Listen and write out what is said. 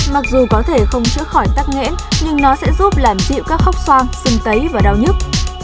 mặc dù có thể không chữa khỏi tắc nghẽn nhưng nó sẽ giúp làm dịu các khóc soan xương tấy và đau nhức